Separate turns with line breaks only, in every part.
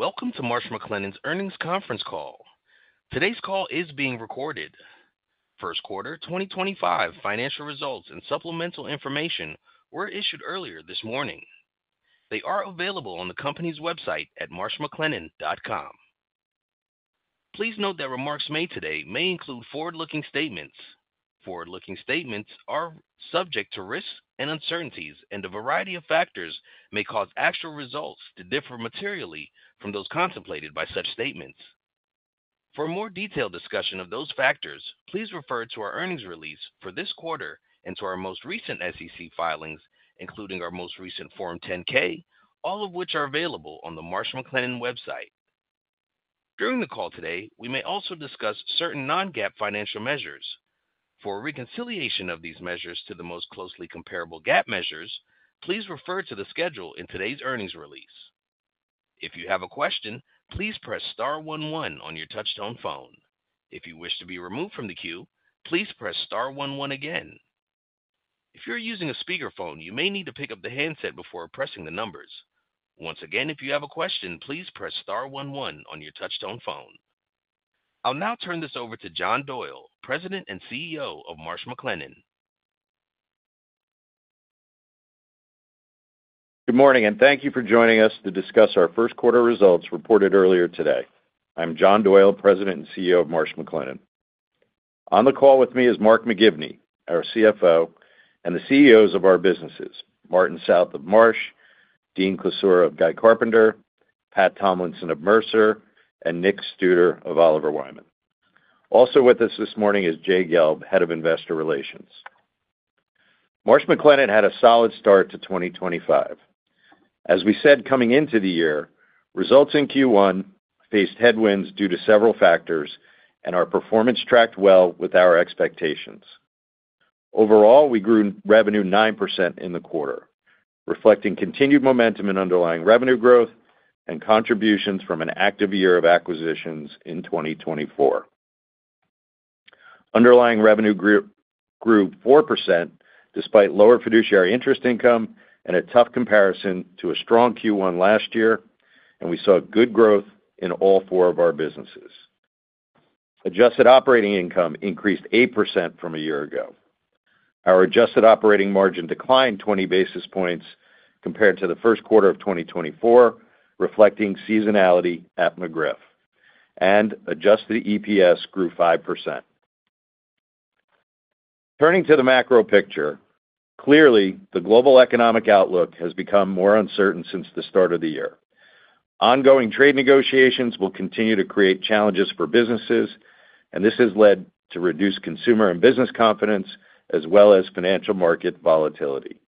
Welcome to Marsh & McLennan's Earnings Conference Call. Today's call is being recorded. First Quarter 2025 financial results and supplemental information were issued earlier this morning. They are available on the company's website at marshmclennan.com. Please note that remarks made today may include forward-looking statements. Forward-looking statements are subject to risks and uncertainties, and a variety of factors may cause actual results to differ materially from those contemplated by such statements. For a more detailed discussion of those factors, please refer to our earnings release for this quarter and to our most recent SEC filings, including our most recent Form 10-K, all of which are available on the Marsh & McLennan website. During the call today, we may also discuss certain non-GAAP financial measures. For reconciliation of these measures to the most closely comparable GAAP measures, please refer to the schedule in today's earnings release. If you have a question, please press star one one on your touch-tone phone. If you wish to be removed from the queue, please press star one one again. If you're using a speakerphone, you may need to pick up the handset before pressing the numbers. Once again, if you have a question, please press star one one on your touch-tone phone. I'll now turn this over to John Doyle, President and CEO of Marsh & McLennan.
Good morning, and thank you for joining us to discuss our first quarter results reported earlier today. I'm John Doyle, President and CEO of Marsh & McLennan. On the call with me is Mark McGivney, our CFO, and the CEOs of our businesses, Martin South of Marsh, Dean Klisura of Guy Carpenter, Pat Tomlinson of Mercer, and Nick Studer of Oliver Wyman. Also with us this morning is Jay Gelb, Head of Investor Relations. Marsh & McLennan had a solid start to 2025. As we said coming into the year, results in Q1 faced headwinds due to several factors, and our performance tracked well with our expectations. Overall, we grew revenue 9% in the quarter, reflecting continued momentum in underlying revenue growth and contributions from an active year of acquisitions in 2024. Underlying revenue grew 4% despite lower fiduciary interest income and a tough comparison to a strong Q1 last year, and we saw good growth in all four of our businesses. Adjusted operating income increased 8% from a year ago. Our adjusted operating margin declined 20 basis points compared to the first quarter of 2024, reflecting seasonality at McGriff, and adjusted EPS grew 5%. Turning to the macro picture, clearly the global economic outlook has become more uncertain since the start of the year. Ongoing trade negotiations will continue to create challenges for businesses, and this has led to reduced consumer and business confidence, as well as financial market volatility.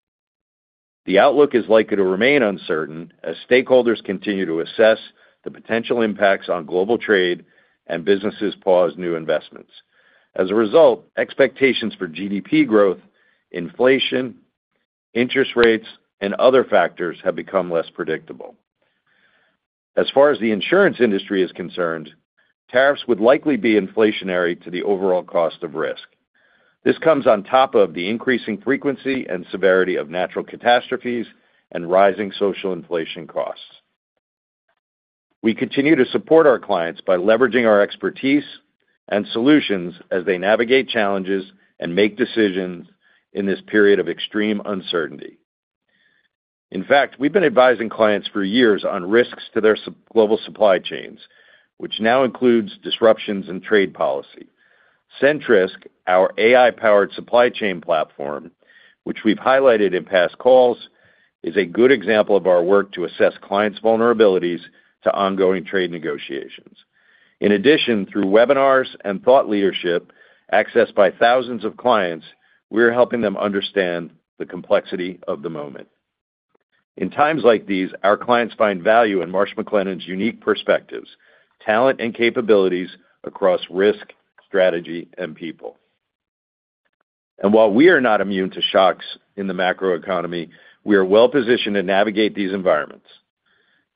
The outlook is likely to remain uncertain as stakeholders continue to assess the potential impacts on global trade and businesses pause new investments. As a result, expectations for GDP growth, inflation, interest rates, and other factors have become less predictable. As far as the insurance industry is concerned, tariffs would likely be inflationary to the overall cost of risk. This comes on top of the increasing frequency and severity of natural catastrophes and rising social inflation costs. We continue to support our clients by leveraging our expertise and solutions as they navigate challenges and make decisions in this period of extreme uncertainty. In fact, we've been advising clients for years on risks to their global supply chains, which now includes disruptions in trade policy. Sentrisk, our AI-powered supply chain platform, which we've highlighted in past calls, is a good example of our work to assess clients' vulnerabilities to ongoing trade negotiations. In addition, through webinars and thought leadership accessed by thousands of clients, we're helping them understand the complexity of the moment. In times like these, our clients find value in Marsh & McLennan's unique perspectives, talent, and capabilities across risk, strategy, and people. While we are not immune to shocks in the macroeconomy, we are well-positioned to navigate these environments.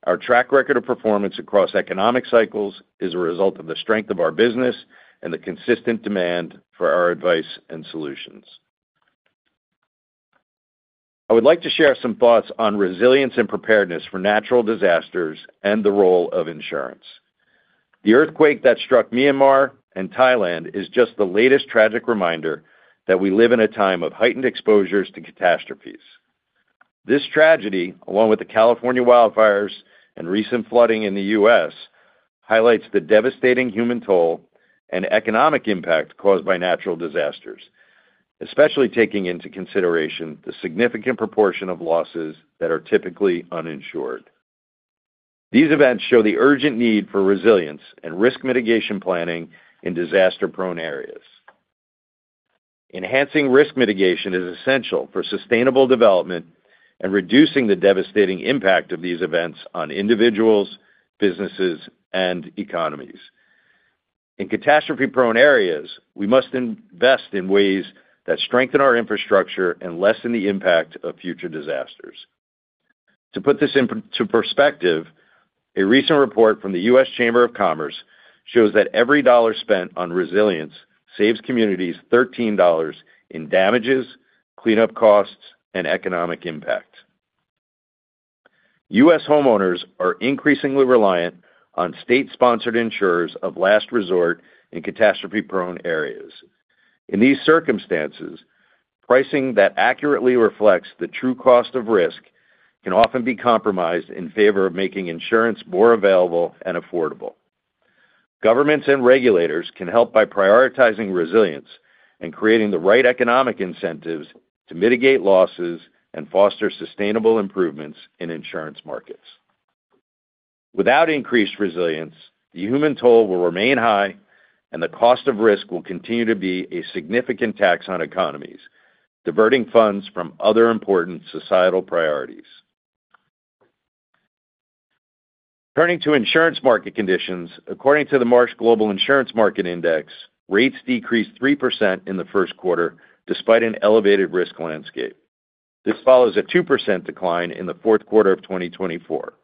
Our track record of performance across economic cycles is a result of the strength of our business and the consistent demand for our advice and solutions. I would like to share some thoughts on resilience and preparedness for natural disasters and the role of insurance. The earthquake that struck Myanmar and Thailand is just the latest tragic reminder that we live in a time of heightened exposures to catastrophes. This tragedy, along with the California wildfires and recent flooding in the U.S., highlights the devastating human toll and economic impact caused by natural disasters, especially taking into consideration the significant proportion of losses that are typically uninsured. These events show the urgent need for resilience and risk mitigation planning in disaster-prone areas. Enhancing risk mitigation is essential for sustainable development and reducing the devastating impact of these events on individuals, businesses, and economies. In catastrophe-prone areas, we must invest in ways that strengthen our infrastructure and lessen the impact of future disasters. To put this into perspective, a recent report from the U.S. Chamber of Commerce shows that every dollar spent on resilience saves communities $13 in damages, cleanup costs, and economic impact. U.S. homeowners are increasingly reliant on state-sponsored insurers of last resort in catastrophe-prone areas. In these circumstances, pricing that accurately reflects the true cost of risk can often be compromised in favor of making insurance more available and affordable. Governments and regulators can help by prioritizing resilience and creating the right economic incentives to mitigate losses and foster sustainable improvements in insurance markets. Without increased resilience, the human toll will remain high, and the cost of risk will continue to be a significant tax on economies, diverting funds from other important societal priorities. Turning to insurance market conditions, according to the Marsh Global Insurance Market Index, rates decreased 3% in the first quarter despite an elevated risk landscape. This follows a 2% decline in the fourth quarter of 2024.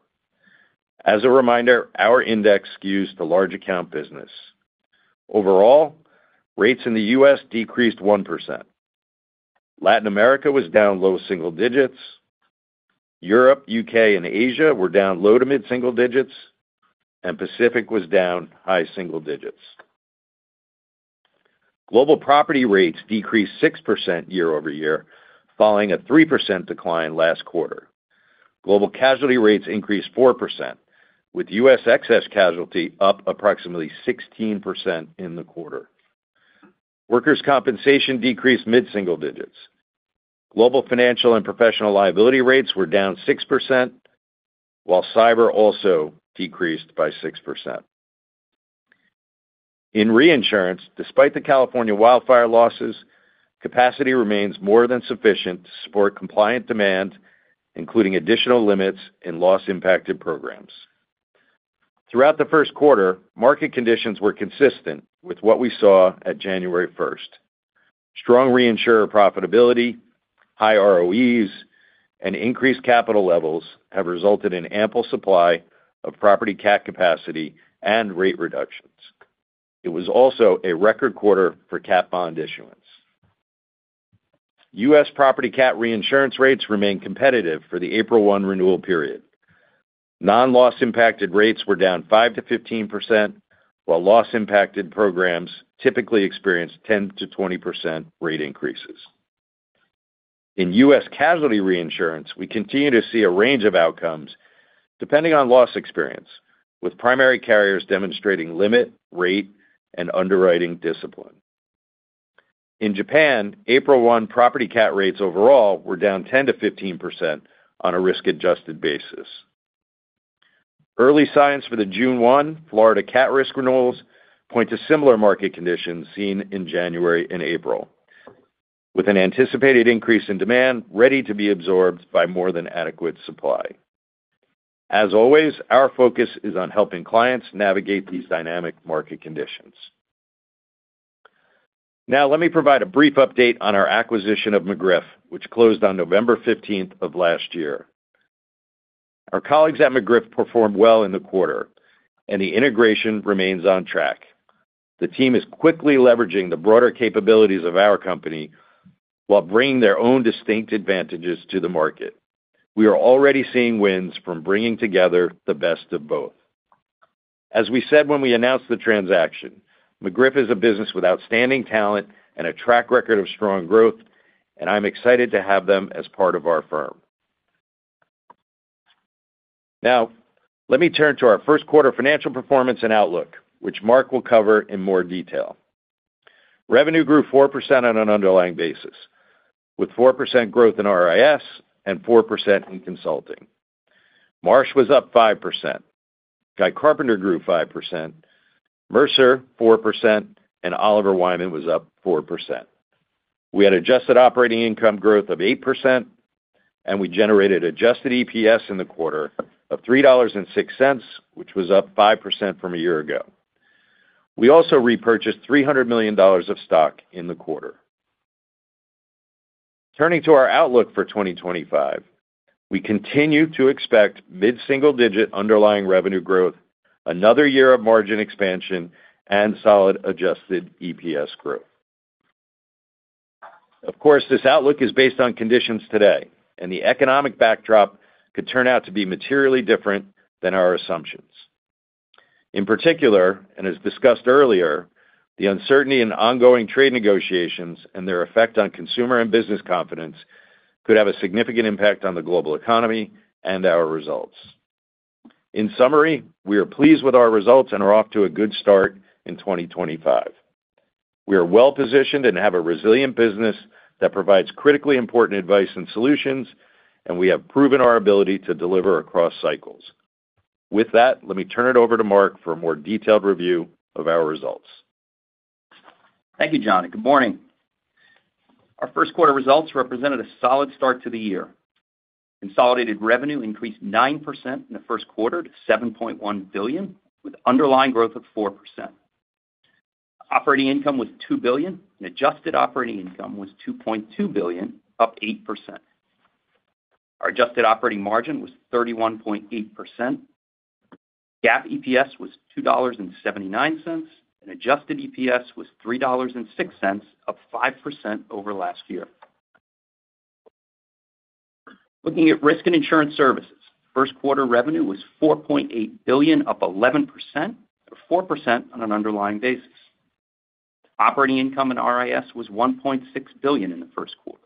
As a reminder, our index skews to large account business. Overall, rates in the U.S. decreased 1%. Latin America was down low single digits. Europe, U.K., and Asia were down low to mid-single digits, and Pacific was down high single digits. Global property rates decreased 6% year-over-year, following a 3% decline last quarter. Global casualty rates increased 4%, with U.S. excess casualty up approximately 16% in the quarter. Workers' compensation decreased mid-single digits. Global financial and professional liability rates were down 6%, while cyber also decreased by 6%. In reinsurance, despite the California wildfire losses, capacity remains more than sufficient to support compliant demand, including additional limits in loss-impacted programs. Throughout the first quarter, market conditions were consistent with what we saw at January 1st. Strong reinsurer profitability, high ROEs, and increased capital levels have resulted in ample supply of property CAT capacity and rate reductions. It was also a record quarter for CAT bond issuance. U.S. property CAT reinsurance rates remained competitive for the April 1 renewal period. Non-loss-impacted rates were down 5%-15%, while loss-impacted programs typically experienced 10%-20% rate increases. In U.S. casualty reinsurance, we continue to see a range of outcomes depending on loss experience, with primary carriers demonstrating limit, rate, and underwriting discipline. In Japan, April 1 property CAT rates overall were down 10%-15% on a risk-adjusted basis. Early signs for the June 1 Florida CAT risk renewals point to similar market conditions seen in January and April, with an anticipated increase in demand ready to be absorbed by more than adequate supply. As always, our focus is on helping clients navigate these dynamic market conditions. Now, let me provide a brief update on our acquisition of McGriff, which closed on November 15th of last year. Our colleagues at McGriff performed well in the quarter, and the integration remains on track. The team is quickly leveraging the broader capabilities of our company while bringing their own distinct advantages to the market. We are already seeing wins from bringing together the best of both. As we said when we announced the transaction, McGriff is a business with outstanding talent and a track record of strong growth, and I'm excited to have them as part of our firm. Now, let me turn to our first quarter financial performance and outlook, which Mark will cover in more detail. Revenue grew 4% on an underlying basis, with 4% growth in RIS and 4% in Consulting. Marsh was up 5%. Guy Carpenter grew 5%. Mercer, 4%, and Oliver Wyman was up 4%. We had adjusted operating income growth of 8%, and we generated adjusted EPS in the quarter of $3.06, which was up 5% from a year ago. We also repurchased $300 million of stock in the quarter. Turning to our outlook for 2025, we continue to expect mid-single digit underlying revenue growth, another year of margin expansion, and solid adjusted EPS growth. Of course, this outlook is based on conditions today, and the economic backdrop could turn out to be materially different than our assumptions. In particular, and as discussed earlier, the uncertainty in ongoing trade negotiations and their effect on consumer and business confidence could have a significant impact on the global economy and our results. In summary, we are pleased with our results and are off to a good start in 2025. We are well-positioned and have a resilient business that provides critically important advice and solutions, and we have proven our ability to deliver across cycles. With that, let me turn it over to Mark for a more detailed review of our results.
Thank you, John. Good morning. Our first quarter results represented a solid start to the year. Consolidated revenue increased 9% in the first quarter to $7.1 billion, with underlying growth of 4%. Operating income was $2 billion, and adjusted operating income was $2.2 billion, up 8%. Our adjusted operating margin was 31.8%. GAAP EPS was $2.79, and adjusted EPS was $3.06, up 5% over last year. Looking at risk and insurance services, first quarter revenue was $4.8 billion, up 11%, or 4% on an underlying basis. Operating income in RIS was $1.6 billion in the first quarter.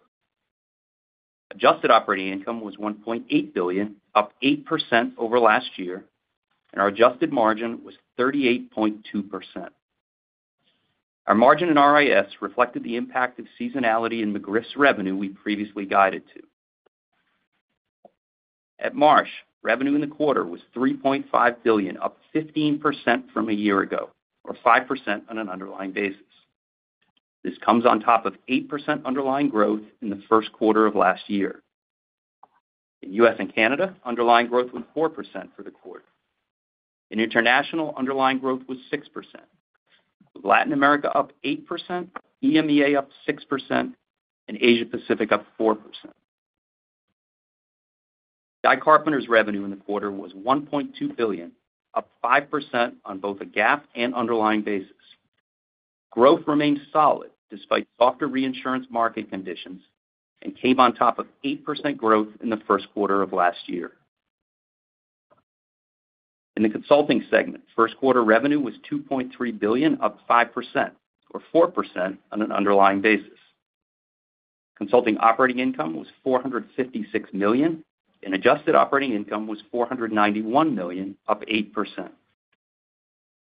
Adjusted operating income was $1.8 billion, up 8% over last year, and our adjusted margin was 38.2%. Our margin in RIS reflected the impact of seasonality in McGriff's revenue we previously guided to. At Marsh, revenue in the quarter was $3.5 billion, up 15% from a year ago, or 5% on an underlying basis. This comes on top of 8% underlying growth in the first quarter of last year. In U.S. and Canada, underlying growth was 4% for the quarter. In International, underlying growth was 6%. Latin America up 8%, EMEA up 6%, and Asia-Pacific up 4%. Guy Carpenter's revenue in the quarter was $1.2 billion, up 5% on both a GAAP and underlying basis. Growth remained solid despite softer reinsurance market conditions and came on top of 8% growth in the first quarter of last year. In the Consulting segment, first quarter revenue was $2.3 billion, up 5%, or 4% on an underlying basis. Consulting operating income was $456 million, and adjusted operating income was $491 million, up 8%.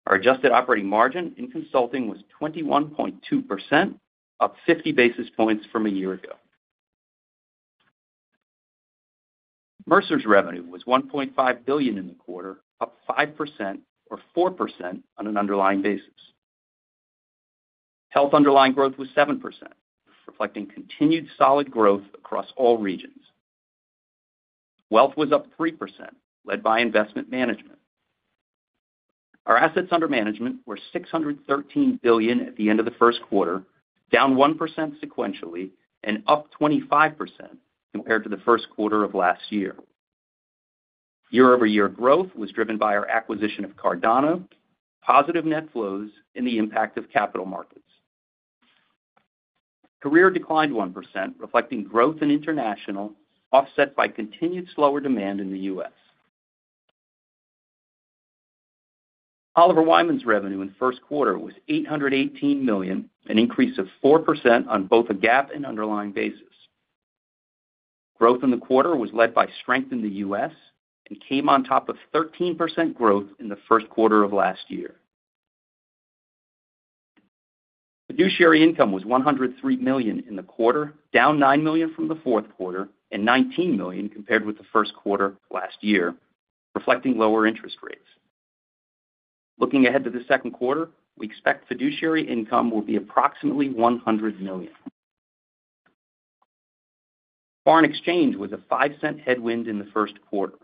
Our adjusted operating margin in Consulting was 21.2%, up 50 basis points from a year ago. Mercer's revenue was $1.5 billion in the quarter, up 5%, or 4% on an underlying basis. Health underlying growth was 7%, reflecting continued solid growth across all regions. Wealth was up 3%, led by Investment Management. Our Assets Under Management were $613 billion at the end of the first quarter, down 1% sequentially and up 25% compared to the first quarter of last year. Year-over-year growth was driven by our acquisition of Cardano, positive net flows, and the impact of capital markets. Career declined 1%, reflecting growth in International, offset by continued slower demand in the U.S. Oliver Wyman's revenue in the first quarter was $818 million, an increase of 4% on both a GAAP and underlying basis. Growth in the quarter was led by strength in the U.S. and came on top of 13% growth in the first quarter of last year. Fiduciary Income was $103 million in the quarter, down $9 million from the fourth quarter and $19 million compared with the first quarter last year, reflecting lower interest rates. Looking ahead to the second quarter, we expect Fiduciary Income will be approximately $100 million. Foreign exchange was a $0.05 headwind in the first quarter.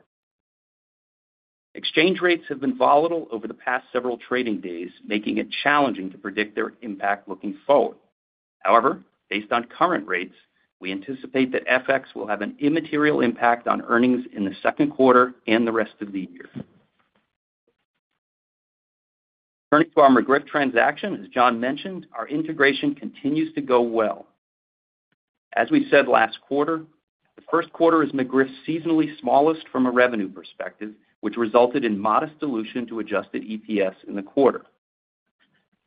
Exchange rates have been volatile over the past several trading days, making it challenging to predict their impact looking forward. However, based on current rates, we anticipate that FX will have an immaterial impact on earnings in the second quarter and the rest of the year. Turning to our McGriff transaction, as John mentioned, our integration continues to go well. As we said last quarter, the first quarter is McGriff's seasonally smallest from a revenue perspective, which resulted in modest dilution to adjusted EPS in the quarter.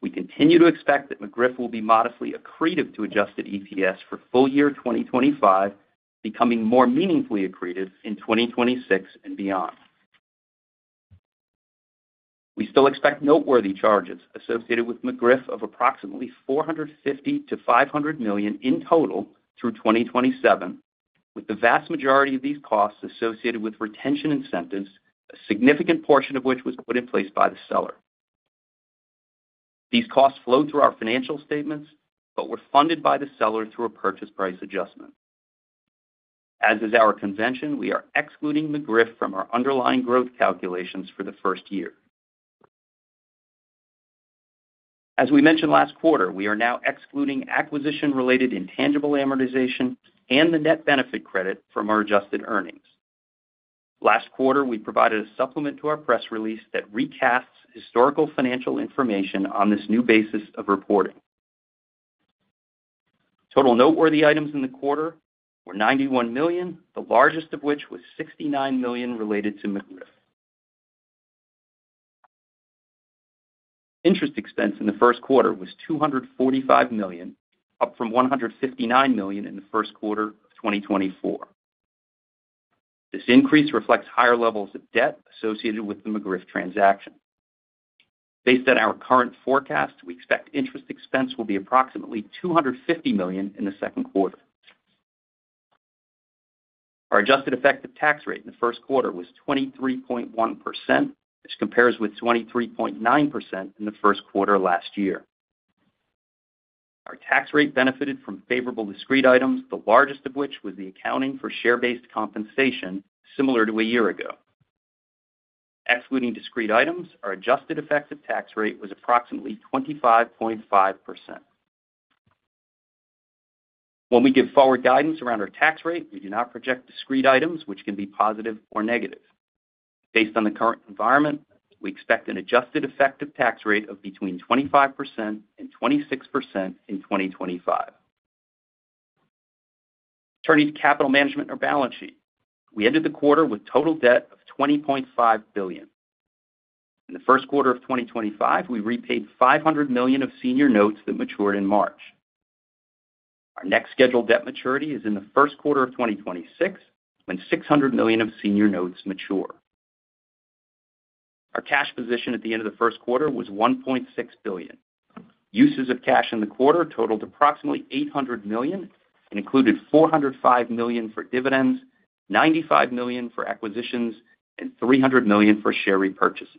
We continue to expect that McGriff will be modestly accretive to adjusted EPS for full year 2025, becoming more meaningfully accretive in 2026 and beyond. We still expect noteworthy charges associated with McGriff of approximately $450 million-$500 million in total through 2027, with the vast majority of these costs associated with retention incentives, a significant portion of which was put in place by the seller. These costs flow through our financial statements, but were funded by the seller through a purchase price adjustment. As is our convention, we are excluding McGriff from our underlying growth calculations for the first year. As we mentioned last quarter, we are now excluding acquisition-related intangible amortization and the net benefit credit from our adjusted earnings. Last quarter, we provided a supplement to our press release that recasts historical financial information on this new basis of reporting. Total noteworthy items in the quarter were $91 million, the largest of which was $69 million related to McGriff. Interest expense in the first quarter was $245 million, up from $159 million in the first quarter of 2024. This increase reflects higher levels of debt associated with the McGriff transaction. Based on our current forecast, we expect interest expense will be approximately $250 million in the second quarter. Our adjusted effective tax rate in the first quarter was 23.1%, which compares with 23.9% in the first quarter last year. Our tax rate benefited from favorable discrete items, the largest of which was the accounting for share-based compensation, similar to a year ago. Excluding discrete items, our adjusted effective tax rate was approximately 25.5%. When we give forward guidance around our tax rate, we do not project discrete items, which can be positive or negative. Based on the current environment, we expect an adjusted effective tax rate of between 25%-26% in 2025. Turning to capital management or balance sheet, we ended the quarter with total debt of $20.5 billion. In the first quarter of 2025, we repaid $500 million of senior notes that matured in March. Our next scheduled debt maturity is in the first quarter of 2026 when $600 million of senior notes mature. Our cash position at the end of the first quarter was $1.6 billion. Uses of cash in the quarter totaled approximately $800 million and included $405 million for dividends, $95 million for acquisitions, and $300 million for share repurchases.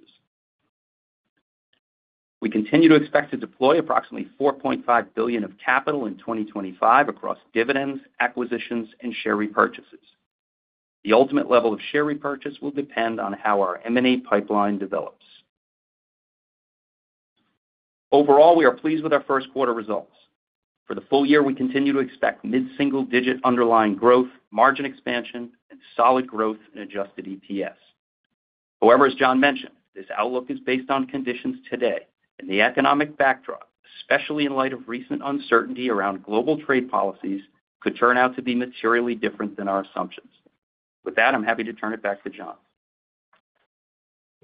We continue to expect to deploy approximately $4.5 billion of capital in 2025 across dividends, acquisitions, and share repurchases. The ultimate level of share repurchase will depend on how our M&A pipeline develops. Overall, we are pleased with our first quarter results. For the full year, we continue to expect mid-single digit underlying growth, margin expansion, and solid growth in adjusted EPS. However, as John mentioned, this outlook is based on conditions today, and the economic backdrop, especially in light of recent uncertainty around global trade policies, could turn out to be materially different than our assumptions. With that, I'm happy to turn it back to John.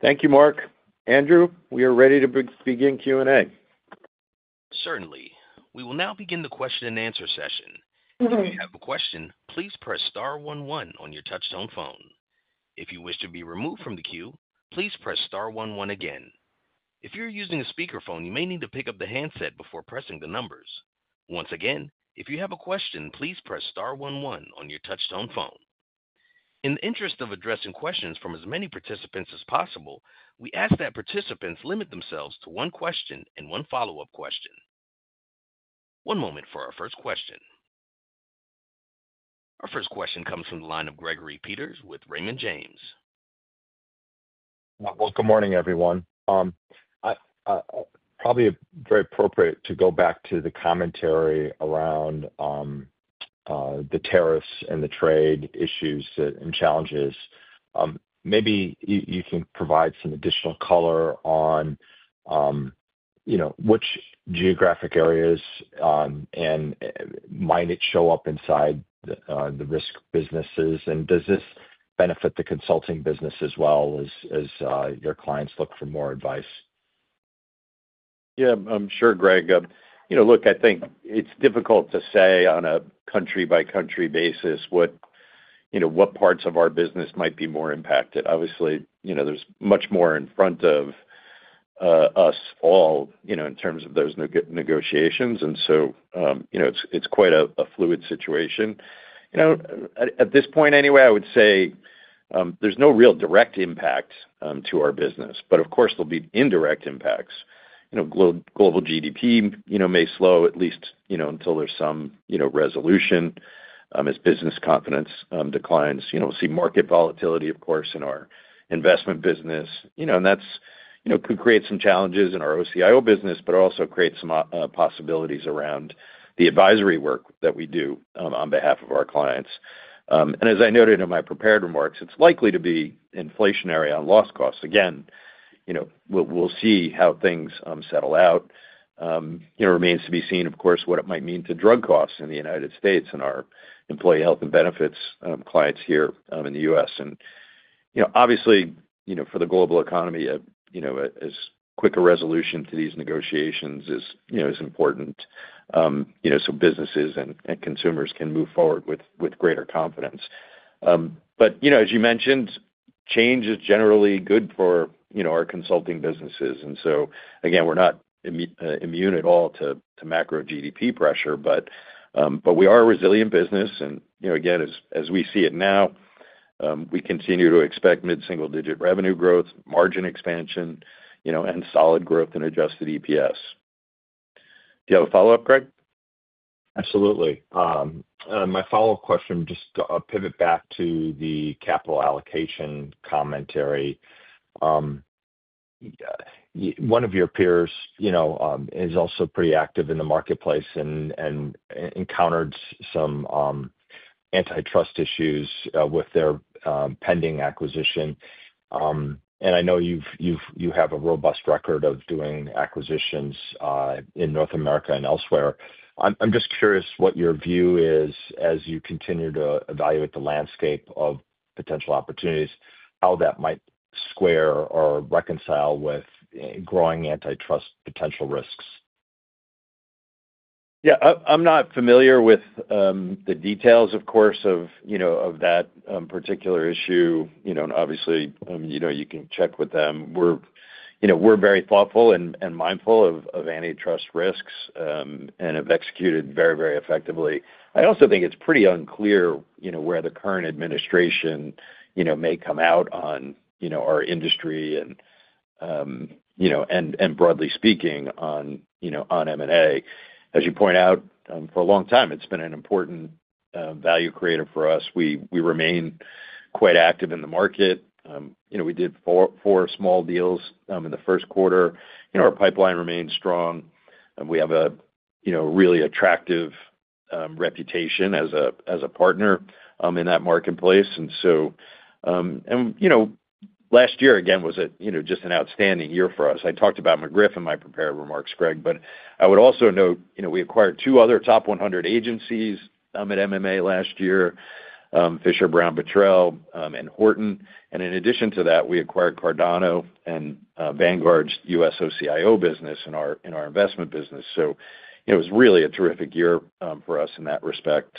Thank you, Mark. Andrew, we are ready to begin Q&A.
Certainly. We will now begin the question and answer session. If you have a question, please press star one one on your touch-tone phone. If you wish to be removed from the queue, please press star one one again. If you're using a speakerphone, you may need to pick up the handset before pressing the numbers. Once again, if you have a question, please press star one one on your touch-tone phone. In the interest of addressing questions from as many participants as possible, we ask that participants limit themselves to one question and one follow-up question. One moment for our first question. Our first question comes from the line of Gregory Peters with Raymond James.
Good morning, everyone. Probably very appropriate to go back to the commentary around the tariffs and the trade issues and challenges. Maybe you can provide some additional color on which geographic areas might it show up inside the risk businesses, and does this benefit the consulting business as well as your clients look for more advice?
Yeah, I'm sure, Greg. Look, I think it's difficult to say on a country-by-country basis what parts of our business might be more impacted. Obviously, there's much more in front of us all in terms of those negotiations, and so it's quite a fluid situation. At this point, anyway, I would say there's no real direct impact to our business, but of course, there'll be indirect impacts. Global GDP may slow at least until there's some resolution as business confidence declines. We'll see market volatility, of course, in our investment business, and that could create some challenges in our OCIO business, but also create some possibilities around the advisory work that we do on behalf of our clients. As I noted in my prepared remarks, it's likely to be inflationary on loss costs. Again, we'll see how things settle out. It remains to be seen, of course, what it might mean to drug costs in the United States and our employee Health and Benefits clients here in the U.S. Obviously, for the global economy, as quick a resolution to these negotiations is important, so businesses and consumers can move forward with greater confidence. As you mentioned, change is generally good for our consulting businesses, and again, we're not immune at all to macro GDP pressure, but we are a resilient business. Again, as we see it now, we continue to expect mid-single digit revenue growth, margin expansion, and solid growth in adjusted EPS. Do you have a follow-up, Greg?
Absolutely. My follow-up question, just a pivot back to the capital allocation commentary. One of your peers is also pretty active in the marketplace and encountered some antitrust issues with their pending acquisition. I know you have a robust record of doing acquisitions in North America and elsewhere. I'm just curious what your view is as you continue to evaluate the landscape of potential opportunities, how that might square or reconcile with growing antitrust potential risks.
Yeah, I'm not familiar with the details, of course, of that particular issue. Obviously, you can check with them. We're very thoughtful and mindful of antitrust risks and have executed very, very effectively. I also think it's pretty unclear where the current administration may come out on our industry and, broadly speaking, on M&A. As you point out, for a long time, it's been an important value creator for us. We remain quite active in the market. We did four small deals in the first quarter. Our pipeline remains strong. We have a really attractive reputation as a partner in that marketplace. Last year, again, was just an outstanding year for us. I talked about McGriff in my prepared remarks, Greg, but I would also note we acquired two other top 100 agencies at M&A last year, Fisher Brown Bottrell and Horton. In addition to that, we acquired Cardano and Vanguard's U.S. OCIO business in our Investment business. It was really a terrific year for us in that respect.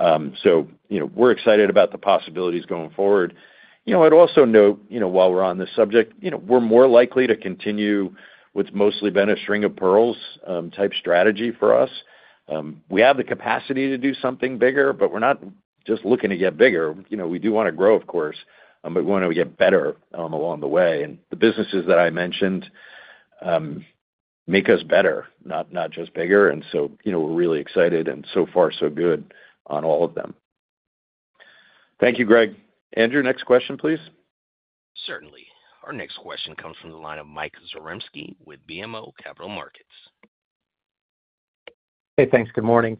We are excited about the possibilities going forward. I would also note, while we are on this subject, we are more likely to continue what has mostly been a string-of-pearls-type strategy for us. We have the capacity to do something bigger, but we are not just looking to get bigger. We do want to grow, of course, but we want to get better along the way. The businesses that I mentioned make us better, not just bigger. We are really excited and so far, so good on all of them. Thank you, Greg. Andrew, next question, please.
Certainly. Our next question comes from the line of Mike Zaremski with BMO Capital Markets.
Hey, thanks. Good morning.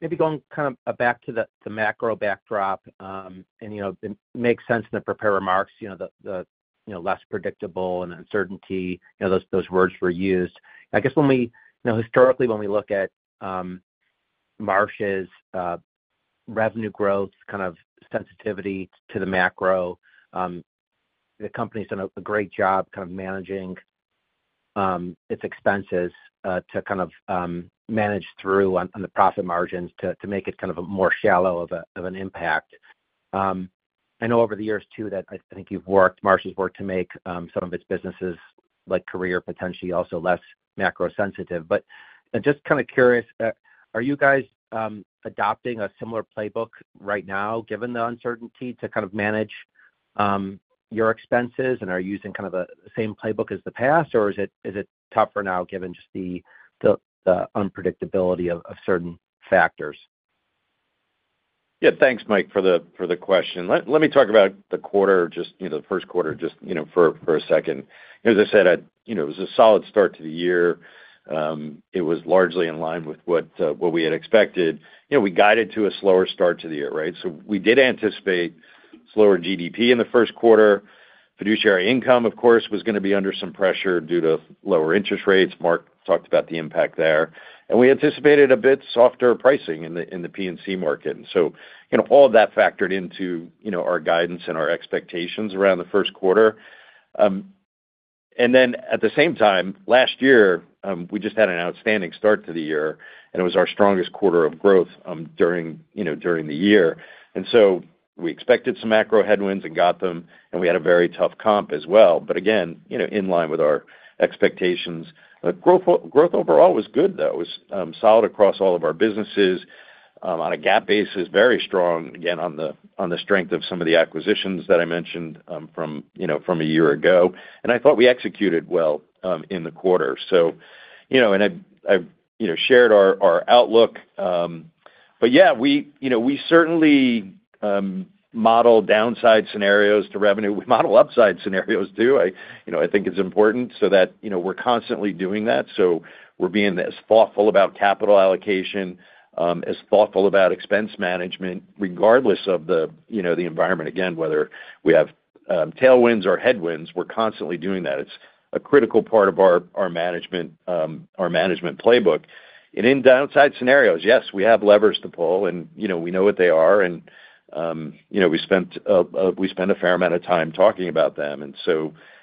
Maybe going kind of back to the macro backdrop and it makes sense in the prepared remarks, the less predictable and uncertainty, those words were used. I guess historically, when we look at Marsh's revenue growth, kind of sensitivity to the macro, the company's done a great job kind of managing its expenses to kind of manage through on the profit margins to make it kind of a more shallow of an impact. I know over the years, too, that I think you've worked, Marsh has worked to make some of its businesses like Career potentially also less macro-sensitive. Just kind of curious, are you guys adopting a similar playbook right now, given the uncertainty, to kind of manage your expenses? Are you using kind of the same playbook as the past, or is it tougher now given just the unpredictability of certain factors?
Yeah, thanks, Mike, for the question. Let me talk about the quarter, just the first quarter, just for a second. As I said, it was a solid start to the year. It was largely in line with what we had expected. We guided to a slower start to the year, right? We did anticipate slower GDP in the first quarter. Fiduciary Income, of course, was going to be under some pressure due to lower interest rates. Mark talked about the impact there. We anticipated a bit softer pricing in the P&C market. All of that factored into our guidance and our expectations around the first quarter. At the same time, last year, we just had an outstanding start to the year, and it was our strongest quarter of growth during the year. We expected some macro headwinds and got them, and we had a very tough comp as well. Again, in line with our expectations. Growth overall was good, though. It was solid across all of our businesses on a GAAP basis, very strong, again, on the strength of some of the acquisitions that I mentioned from a year ago. I thought we executed well in the quarter. I have shared our outlook. We certainly model downside scenarios to revenue. We model upside scenarios, too. I think it is important so that we are constantly doing that. We are being as thoughtful about capital allocation, as thoughtful about expense management, regardless of the environment, whether we have tailwinds or headwinds, we are constantly doing that. It is a critical part of our management playbook. In downside scenarios, yes, we have levers to pull, and we know what they are. We spent a fair amount of time talking about them.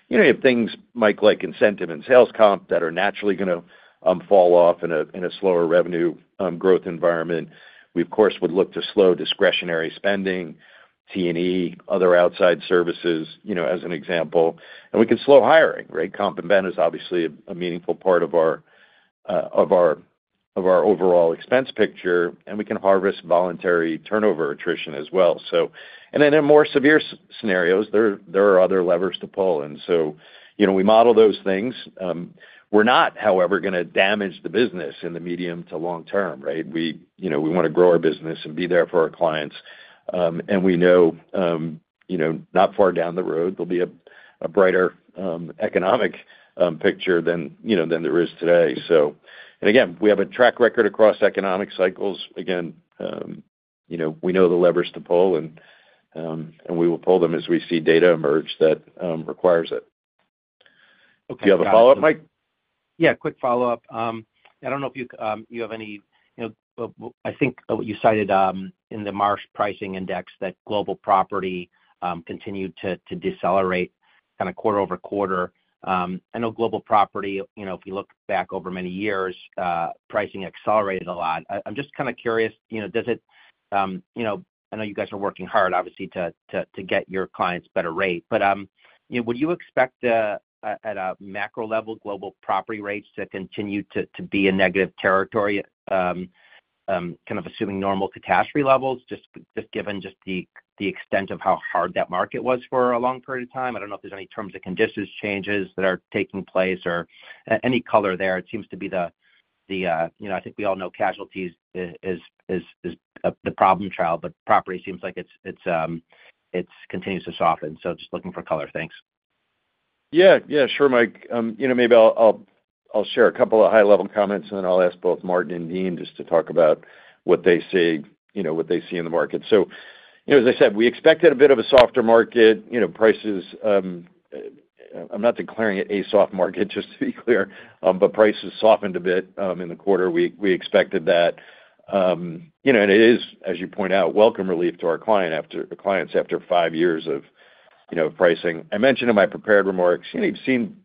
If things like incentive and sales comp that are naturally going to fall off in a slower revenue growth environment, we, of course, would look to slow discretionary spending, T&E, other outside services as an example. We can slow hiring, right? Comp and Ben is obviously a meaningful part of our overall expense picture. We can harvest voluntary turnover attrition as well. In more severe scenarios, there are other levers to pull. We model those things. We're not, however, going to damage the business in the medium to long term, right? We want to grow our business and be there for our clients. We know not far down the road, there will be a brighter economic picture than there is today. Again, we have a track record across economic cycles. We know the levers to pull, and we will pull them as we see data emerge that requires it. Do you have a follow-up, Mike?
Yeah, quick follow-up. I don't know if you have any, I think what you cited in the Marsh Pricing Index that global property continued to decelerate kind of quarter-over-quarter. I know Global Property, if you look back over many years, pricing accelerated a lot. I'm just kind of curious, does it, I know you guys are working hard, obviously, to get your clients better rate. But would you expect at a macro level, Global Property rates to continue to be in negative territory, kind of assuming normal catastrophe levels, just given just the extent of how hard that market was for a long period of time? I don't know if there's any terms and conditions changes that are taking place or any color there. It seems to be the, I think we all know Casualties is the problem child, but Property seems like it continues to soften. Just looking for color. Thanks.
Yeah, yeah, sure, Mike. Maybe I'll share a couple of high-level comments, and then I'll ask both Martin and Dean just to talk about what they see in the market. As I said, we expected a bit of a softer market. Prices—I'm not declaring it a soft market, just to be clear—but prices softened a bit in the quarter. We expected that. It is, as you point out, welcome relief to our clients after five years of pricing. I mentioned in my prepared remarks, you've seen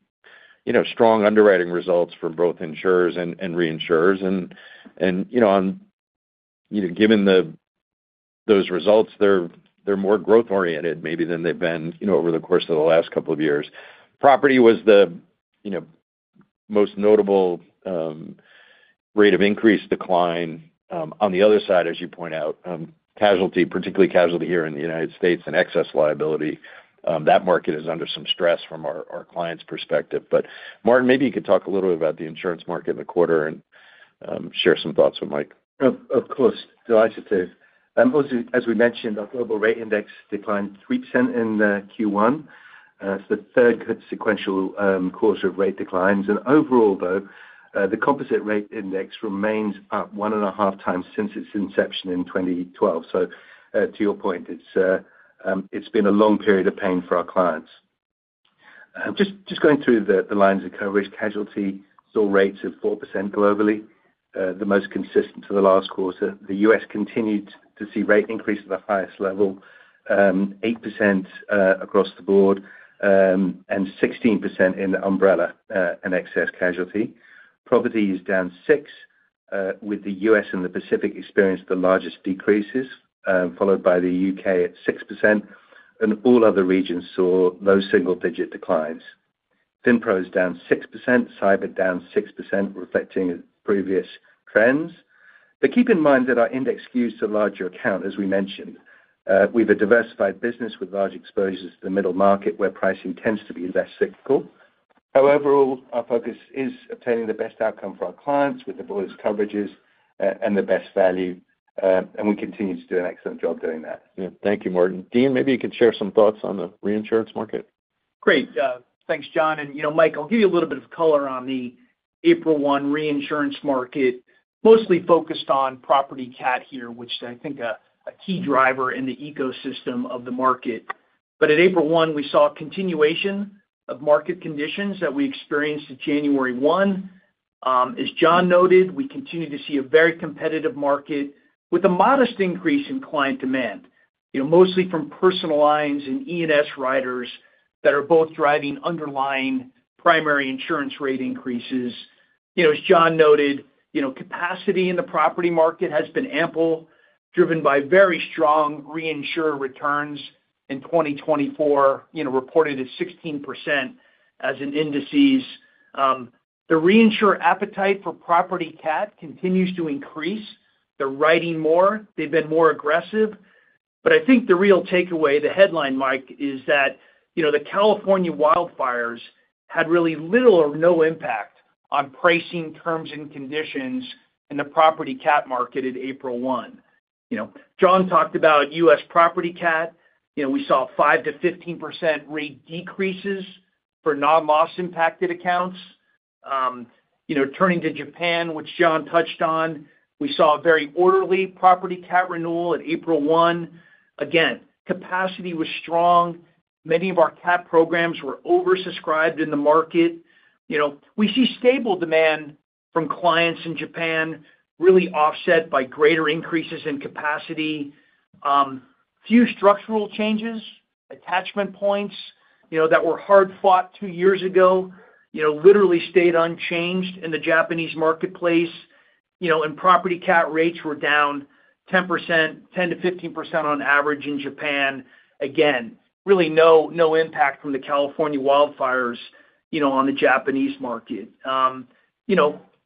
strong underwriting results from both insurers and reinsurers. Given those results, they're more growth-oriented maybe than they've been over the course of the last couple of years. Property was the most notable rate of increase decline. On the other side, as you point out, casualty, particularly casualty here in the United States and excess liability, that market is under some stress from our client's perspective. Martin, maybe you could talk a little bit about the insurance market in the quarter and share some thoughts with Mike.
Of course. Delighted to. As we mentioned, our global rate index declined 3% in Q1. It's the third sequential course of rate declines. Overall, though, the composite rate index remains up one and a half times since its inception in 2012. To your point, it's been a long period of pain for our clients. Just going through the lines of coverage, casualty saw rates of 4% globally, the most consistent to the last quarter. The U.S. continued to see rate increase at the highest level, 8% across the board, and 16% in the umbrella and excess Casualty. Property is down 6%, with the U.S. and the Pacific experienced the largest decreases, followed by the U.K. at 6%. All other regions saw low single-digit declines. FINPRO is down 6%, Cyber down 6%, reflecting previous trends. Keep in mind that our index skews to a larger account, as we mentioned. We have a diversified business with large exposures to the middle market, where pricing tends to be less cyclical. However, our focus is obtaining the best outcome for our clients with the broadest coverages and the best value. We continue to do an excellent job doing that.
Yeah. Thank you, Martin. Dean, maybe you can share some thoughts on the reinsurance market.
Great. Thanks, John. Mike, I'll give you a little bit of color on the April 1 reinsurance market, mostly focused on Property CAT here, which I think is a key driver in the ecosystem of the market. At April 1, we saw a continuation of market conditions that we experienced in January 1. As John noted, we continue to see a very competitive market with a modest increase in client demand, mostly from personal lines and E&S riders that are both driving underlying primary insurance rate increases. As John noted, capacity in the property market has been ample, driven by very strong reinsurer returns in 2024, reported at 16% as an indices. The reinsurer appetite for Property CAT continues to increase. They're riding more. They've been more aggressive. I think the real takeaway, the headline, Mike, is that the California wildfires had really little or no impact on pricing terms and conditions in the Property CAT market at April 1. John talked about U.S. Property CAT. We saw 5%-15% rate decreases for non-loss impacted accounts. Turning to Japan, which John touched on, we saw a very orderly Property CAT renewal at April 1. Again, capacity was strong. Many of our CAT programs were oversubscribed in the market. We see stable demand from clients in Japan, really offset by greater increases in capacity. Few structural changes, attachment points that were hard-fought two years ago, literally stayed unchanged in the Japanese marketplace. Property CAT rates were down 10%-15% on average in Japan. Again, really no impact from the California wildfires on the Japanese market.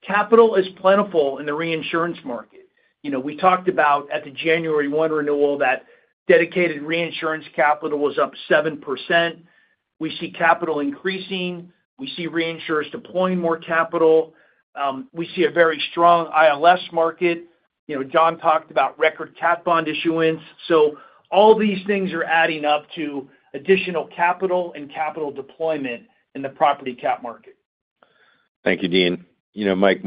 Capital is plentiful in the reinsurance market. We talked about at the January 1 renewal that dedicated reinsurance capital was up 7%. We see capital increasing. We see reinsurers deploying more capital. We see a very strong ILS market. John talked about record CAT bond issuance. All these things are adding up to additional capital and capital deployment in the Property CAT market.
Thank you, Dean. Mike,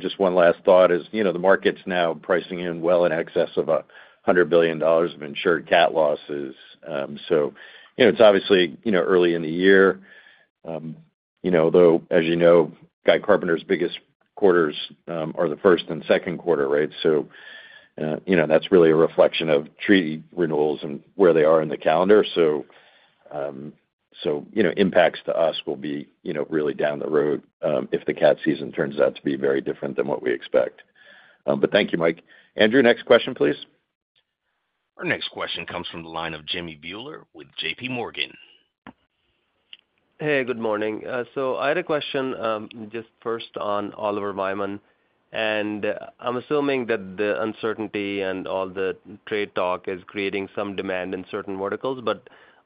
just one last thought is the market's now pricing in well in excess of $100 billion of insured CAT losses. It is obviously early in the year, though, as you know, Guy Carpenter's biggest quarters are the first and second quarter, right? That is really a reflection of treaty renewals and where they are in the calendar. Impacts to us will be really down the road if the CAT season turns out to be very different than what we expect. Thank you, Mike. Andrew, next question, please.
Our next question comes from the line of Jimmy Bhullar with JP Morgan.
Hey, good morning. I had a question just first on Oliver Wyman. I'm assuming that the uncertainty and all the trade talk is creating some demand in certain verticals.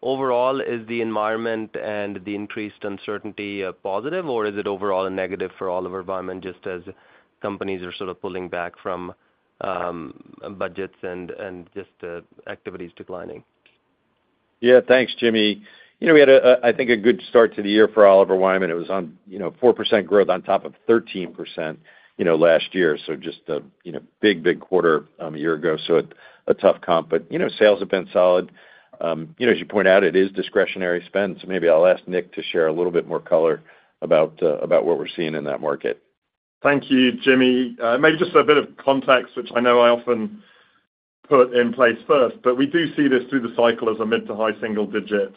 Overall, is the environment and the increased uncertainty positive, or is it overall a negative for Oliver Wyman just as companies are sort of pulling back from budgets and activities declining?
Yeah, thanks, Jimmy. We had, I think, a good start to the year for Oliver Wyman. It was on 4% growth on top of 13% last year. Just a big, big quarter a year ago. A tough comp. Sales have been solid. As you point out, it is discretionary spend. Maybe I'll ask Nick to share a little bit more color about what we're seeing in that market.
Thank you, Jimmy. Maybe just a bit of context, which I know I often put in place first. We do see this through the cycle as a mid- to high single-digit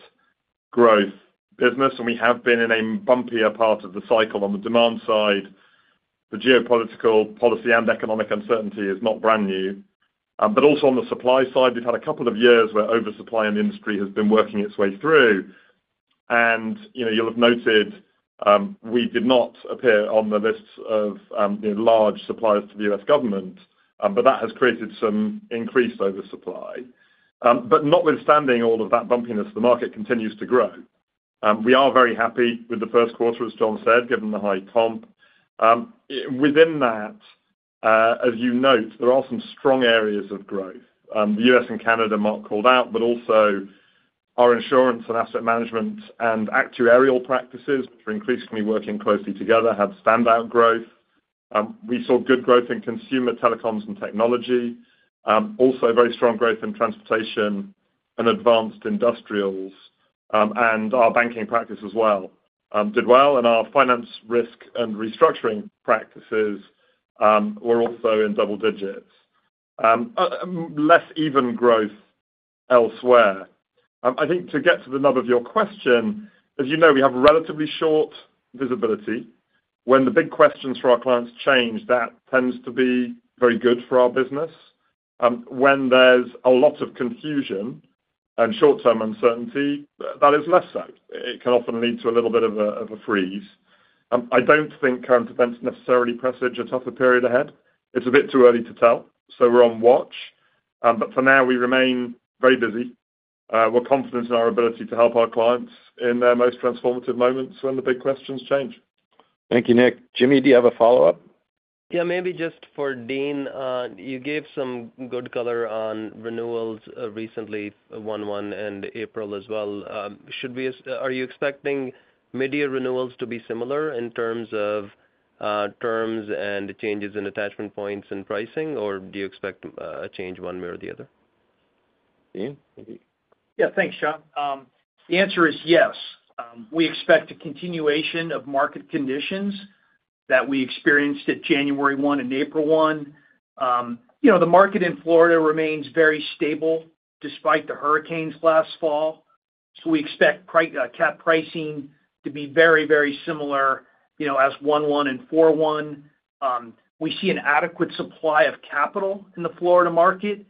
growth business. We have been in a bumpier part of the cycle on the demand side. The geopolitical, policy, and economic uncertainty is not brand new. Also on the supply side, we've had a couple of years where oversupply in the industry has been working its way through. You'll have noted we did not appear on the lists of large suppliers to the U.S. government. That has created some increased oversupply. Notwithstanding all of that bumpiness, the market continues to grow. We are very happy with the first quarter, as John said, given the high comp. Within that, as you note, there are some strong areas of growth. The U.S. and Canada Mark called out, but also our Insurance and Asset Management and Actuarial practices, which are increasingly working closely together, had standout growth. We saw good growth in Consumer Telecoms and Technology. Very strong growth in Transportation and Advanced Industrials. Our Banking practice as well did well. Our Finance Risk and Restructuring practices were also in double digits. Less even growth elsewhere. I think to get to the nub of your question, as you know, we have relatively short visibility. When the big questions for our clients change, that tends to be very good for our business. When there's a lot of confusion and short-term uncertainty, that is less so. It can often lead to a little bit of a freeze. I do not think current events necessarily presage a tougher period ahead. It is a bit too early to tell. We are on watch. For now, we remain very busy. We're confident in our ability to help our clients in their most transformative moments when the big questions change.
Thank you, Nick. Jimmy, do you have a follow-up?
Yeah, maybe just for Dean. You gave some good color on renewals recently, 1/1 and April as well. Are you expecting mid-year renewals to be similar in terms of terms and changes in attachment points and pricing, or do you expect a change one way or the other?
Dean?
Yeah, thanks, John. The answer is yes. We expect a continuation of market conditions that we experienced at January 1 and April 1. The market in Florida remains very stable despite the hurricanes last fall. We expect CAT pricing to be very, very similar as 1/1 and 4/1. We see an adequate supply of capital in the Florida market.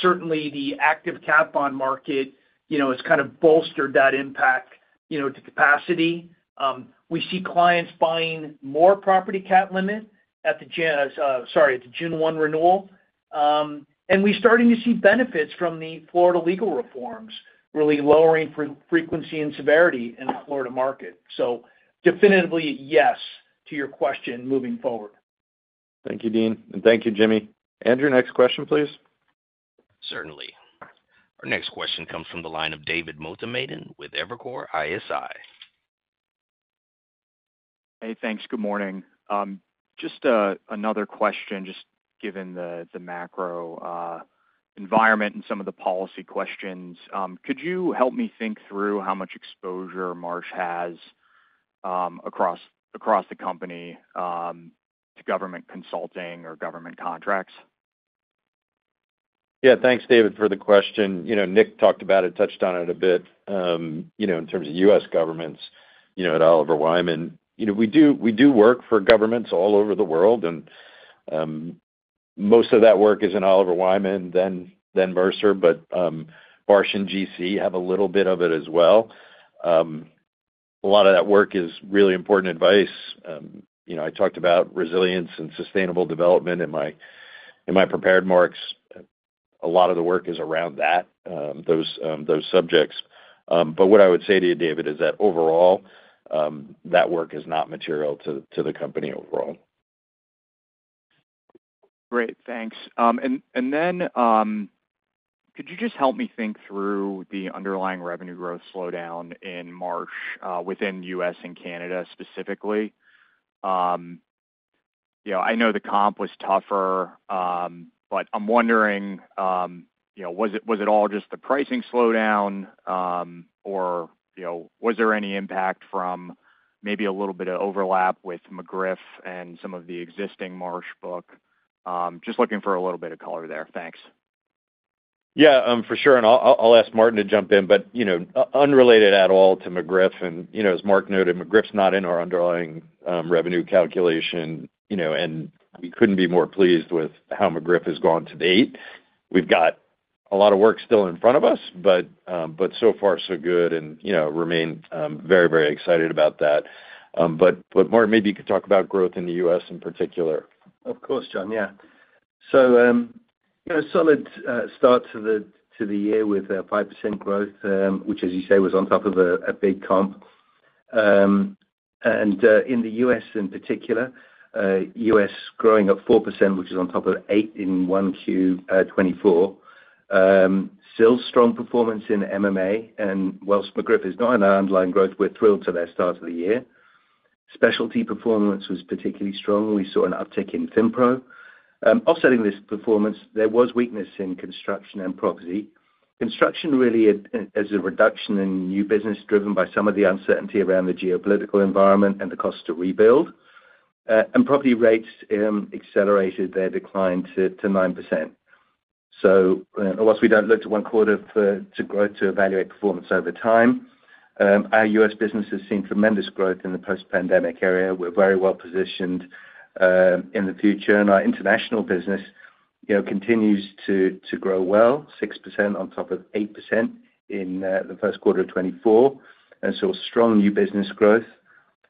Certainly, the active CAT bond market has kind of bolstered that impact to capacity. We see clients buying more Property CAT limit at the June 1 renewal. We're starting to see benefits from the Florida legal reforms, really lowering frequency and severity in the Florida market. Definitely yes to your question moving forward.
Thank you, Dean. Thank you, Jimmy. Andrew, next question, please.
Certainly. Our next question comes from the line of David Motemaden with Evercore ISI.
Hey, thanks. Good morning. Just another question, just given the macro environment and some of the policy questions. Could you help me think through how much exposure Marsh has across the company to government consulting or government contracts?
Yeah, thanks, David, for the question. Nick talked about it, touched on it a bit in terms of U.S. governments at Oliver Wyman. We do work for governments all over the world. Most of that work is in Oliver Wyman, then Mercer, but Marsh and GC have a little bit of it as well. A lot of that work is really important advice. I talked about resilience and sustainable development in my prepared marks. A lot of the work is around that, those subjects. What I would say to you, David, is that overall, that work is not material to the company overall.
Great. Thanks. Could you just help me think through the underlying revenue growth slowdown in Marsh within U.S. and Canada specifically? I know the comp was tougher, but I'm wondering, was it all just the pricing slowdown, or was there any impact from maybe a little bit of overlap with McGriff and some of the existing Marsh book? Just looking for a little bit of color there. Thanks.
Yeah, for sure. I'll ask Martin to jump in, but unrelated at all to McGriff. As Mark noted, McGriff's not in our underlying revenue calculation. We couldn't be more pleased with how McGriff has gone to date. We've got a lot of work still in front of us, but so far, so good. We remain very, very excited about that. Mark, maybe you could talk about growth in the U.S. in particular.
Of course, John. Yeah. So a solid start to the year with 5% growth, which, as you say, was on top of a big comp. And in the U.S. in particular, U.S. growing up 4%, which is on top of 8% in 1Q 2024. Still strong performance in M&A. And whilst McGriff is not in our underlying growth, we're thrilled to their start of the year. Specialty performance was particularly strong. We saw an uptick in FINPRO. Offsetting this performance, there was weakness in Construction and Property. Construction really has a reduction in new business driven by some of the uncertainty around the geopolitical environment and the cost to rebuild. And Property rates accelerated their decline to 9%. So whilst we don't look to one quarter to evaluate performance over time, our U.S. business has seen tremendous growth in the post-pandemic area. We're very well positioned in the future. Our International business continues to grow well, 6% on top of 8% in the first quarter of 2024. Strong new business growth.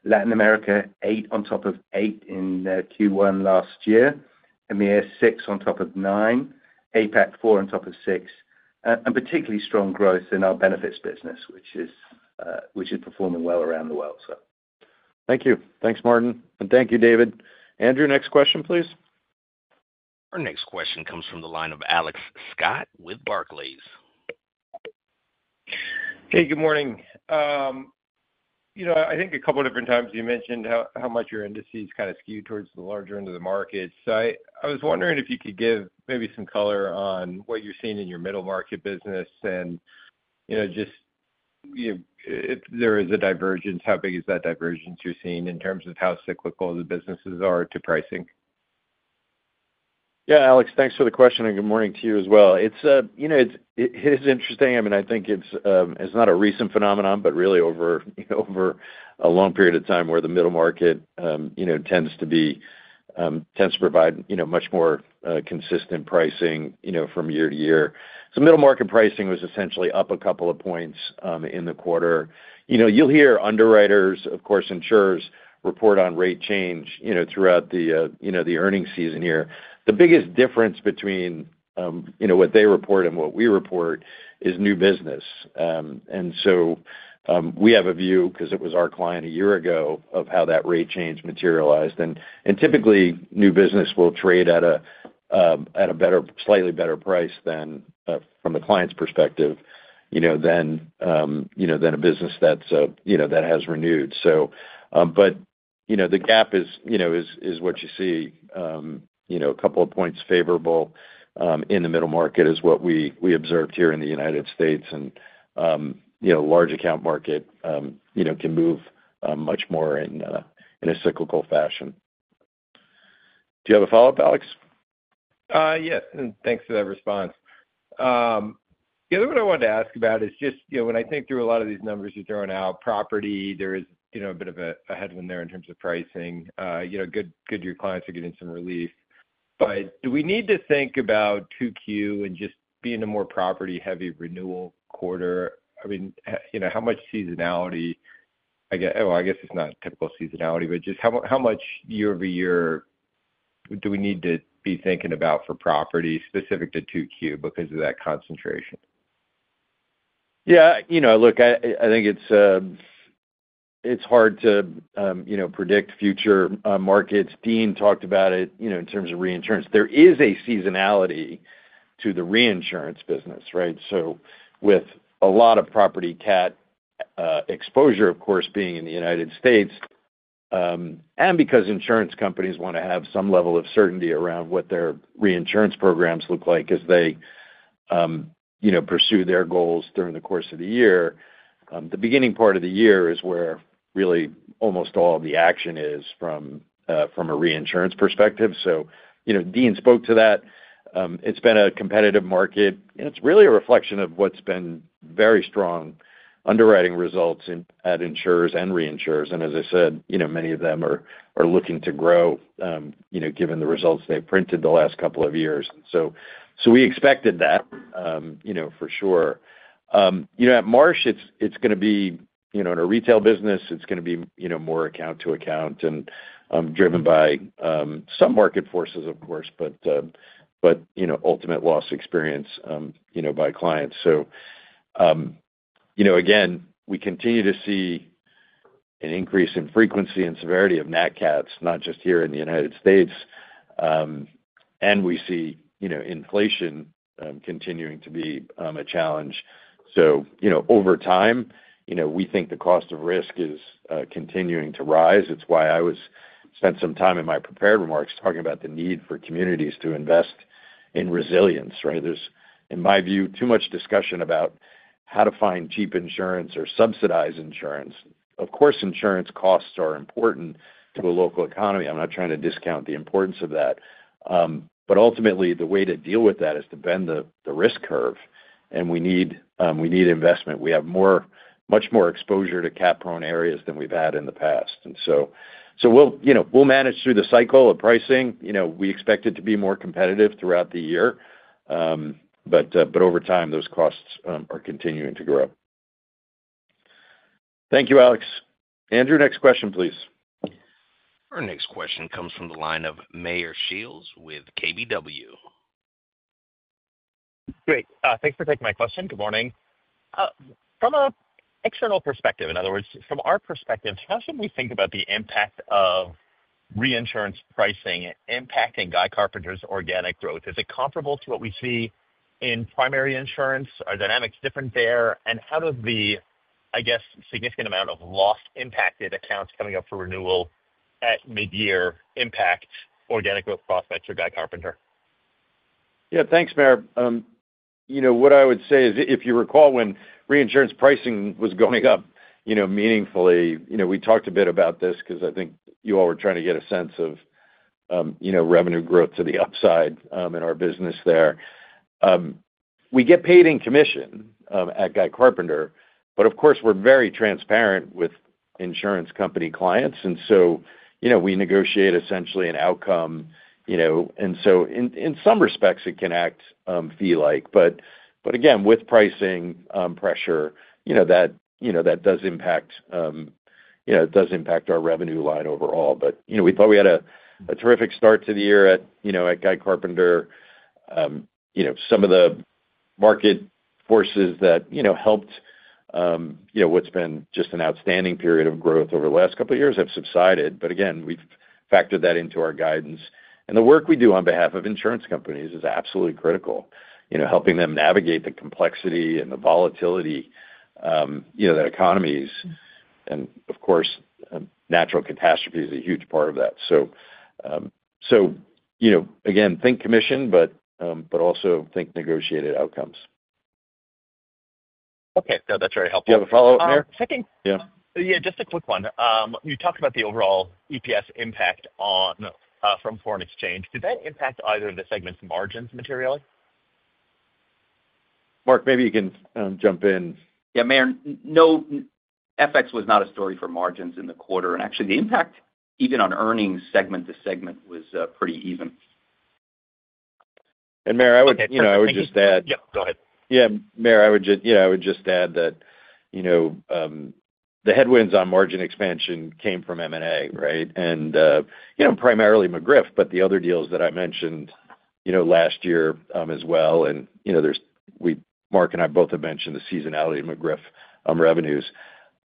Latin America, 8% on top of 8% in Q1 last year. EMEA, 6% on top of 9%. APAC, 4% on top of 6%. Particularly strong growth in our Benefits business, which is performing well around the world.
Thank you. Thanks, Martin. Thank you, David. Andrew, next question, please.
Our next question comes from the line of Alex Scott with Barclays.
Hey, good morning. I think a couple of different times you mentioned how much your indices kind of skew towards the larger end of the market. I was wondering if you could give maybe some color on what you're seeing in your middle market business. And just if there is a divergence, how big is that divergence you're seeing in terms of how cyclical the businesses are to pricing?
Yeah, Alex, thanks for the question. Good morning to you as well. It is interesting. I mean, I think it's not a recent phenomenon, but really over a long period of time where the middle market tends to provide much more consistent pricing from year to year. Middle market pricing was essentially up a couple of points in the quarter. You'll hear underwriters, of course, insurers report on rate change throughout the earnings season here. The biggest difference between what they report and what we report is new business. We have a view, because it was our client a year ago, of how that rate change materialized. Typically, new business will trade at a slightly better price from the client's perspective than a business that has renewed. The gap is what you see. A couple of points favorable in the middle market is what we observed here in the United States. The large account market can move much more in a cyclical fashion. Do you have a follow-up, Alex?
Yes. Thanks for that response. The other one I wanted to ask about is just when I think through a lot of these numbers you're throwing out, property, there is a bit of a headwind there in terms of pricing. Good, your clients are getting some relief. Do we need to think about 2Q and just being a more property-heavy renewal quarter? I mean, how much seasonality? I guess it's not typical seasonality, but just how much year-over-year do we need to be thinking about for Property specific to 2Q because of that concentration?
Yeah. Look, I think it's hard to predict future markets. Dean talked about it in terms of reinsurance. There is a seasonality to the reinsurance business, right? With a lot of Property CAT exposure, of course, being in the United States, and because insurance companies want to have some level of certainty around what their reinsurance programs look like as they pursue their goals during the course of the year, the beginning part of the year is where really almost all the action is from a reinsurance perspective. Dean spoke to that. It's been a competitive market. It's really a reflection of what's been very strong underwriting results at insurers and reinsurers. As I said, many of them are looking to grow given the results they've printed the last couple of years. We expected that for sure. At Marsh, it's going to be in a retail business. It's going to be more account to account and driven by some market forces, of course, but ultimate loss experience by clients. Again, we continue to see an increase in frequency and severity of nat CATs, not just here in the United States. We see inflation continuing to be a challenge. Over time, we think the cost of risk is continuing to rise. It's why I spent some time in my prepared remarks talking about the need for communities to invest in resilience, right? There's, in my view, too much discussion about how to find cheap insurance or subsidize insurance. Of course, insurance costs are important to a local economy. I'm not trying to discount the importance of that. Ultimately, the way to deal with that is to bend the risk curve. We need investment. We have much more exposure to CAT-prone areas than we've had in the past. We will manage through the cycle of pricing. We expect it to be more competitive throughout the year. Over time, those costs are continuing to grow. Thank you, Alex. Andrew, next question, please.
Our next question comes from the line of Meyer Shields with KBW.
Great. Thanks for taking my question. Good morning. From an external perspective, in other words, from our perspective, how should we think about the impact of reinsurance pricing impacting Guy Carpenter's organic growth? Is it comparable to what we see in primary insurance? Are dynamics different there? How does the, I guess, significant amount of lost impacted accounts coming up for renewal at mid-year impact organic growth prospects for Guy Carpenter?
Yeah, thanks, Meyer. What I would say is, if you recall when reinsurance pricing was going up meaningfully, we talked a bit about this because I think you all were trying to get a sense of revenue growth to the upside in our business there. We get paid in commission at Guy Carpenter. Of course, we're very transparent with insurance company clients. We negotiate essentially an outcome. In some respects, it can act fee-like. Again, with pricing pressure, that does impact our revenue line overall. We thought we had a terrific start to the year at Guy Carpenter. Some of the market forces that helped what's been just an outstanding period of growth over the last couple of years have subsided. Again, we've factored that into our guidance. The work we do on behalf of insurance companies is absolutely critical, helping them navigate the complexity and the volatility that economies and, of course, natural catastrophe is a huge part of that. Again, think commission, but also think negotiated outcomes.
Okay. No, that's very helpful.
Do you have a follow-up, Meyer?
Yeah. Just a quick one. You talked about the overall EPS impact from foreign exchange. Did that impact either of the segments' margins materially?
Mark, maybe you can jump in.
Yeah, Meyer. FX was not a story for margins in the quarter. Actually, the impact even on earnings segment to segment was pretty even.
Meyer, I would just add.
Yep. Go ahead.
Yeah. Meyer, I would just add that the headwinds on margin expansion came from M&A, right? And primarily McGriff, but the other deals that I mentioned last year as well. Mark and I both have mentioned the seasonality of McGriff revenues.